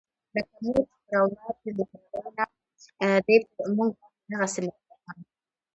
لکه مور چې پر اولاد وي مهربانه، دی پر مونږ باندې دغهسې مهربانه